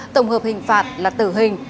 tổng hợp hình phạt là tử hình